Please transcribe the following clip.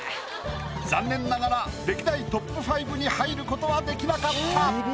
残念ながら歴代ＴＯＰ５に入る事はできなかった。